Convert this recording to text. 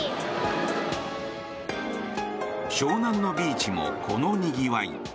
湘南のビーチもこのにぎわい。